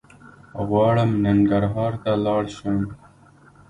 غواړم ننګرهار ته لاړ شم